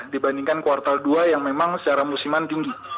dibandingkan kuartal dua yang memang secara musiman tinggi